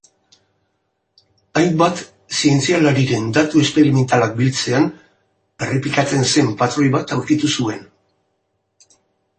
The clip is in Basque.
Hainbat zientzialariren datu esperimentalak biltzean, errepikatzen zen patroi bat aurkitu zuen.